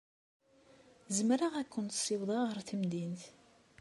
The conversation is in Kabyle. Zemreɣ ad ken-ssiwḍeɣ ɣer temdint.